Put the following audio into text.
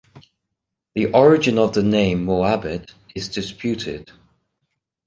The origin of the name "Moabit" is disputed.